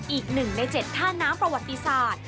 อีก๑ใน๗ท่าน้ำประวัติศาสตร์